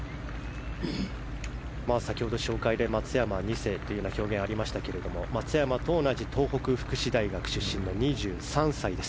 先ほど紹介で松山２世という表現がありましたが松山と同じ東北福祉大学出身の２３歳です。